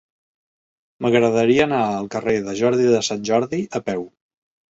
M'agradaria anar al carrer de Jordi de Sant Jordi a peu.